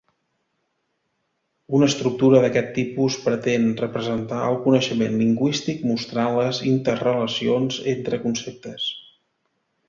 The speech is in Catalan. Una estructura d'aquest tipus pretén representar el coneixement lingüístic mostrant les interrelacions entre conceptes.